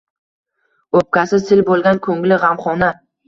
O’pkasi sil bo’lgan, ko’ngli – g’amxona.